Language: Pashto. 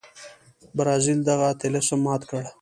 برازیل دغه طلسم مات کړ.